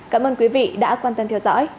cảm ơn quý vị đã quan tâm theo dõi